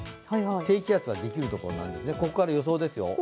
低気圧ができるところなんですね、ここから予想です。